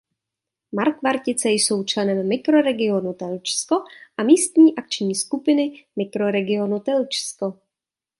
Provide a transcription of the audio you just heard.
Markvartice jsou členem Mikroregionu Telčsko a místní akční skupiny Mikroregionu Telčsko.